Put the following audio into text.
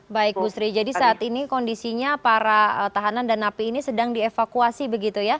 baik bu sri jadi saat ini kondisinya para tahanan dan napi ini sedang dievakuasi begitu ya